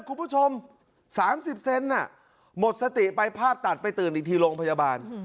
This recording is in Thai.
คุณผู้ชมสามสิบเซนต์น่ะหมดสติไปภาพตัดไปตื่นอีกทีลงพยาบาล